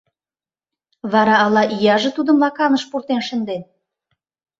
Вара ала ияже тудым лаканыш пуртен шынден.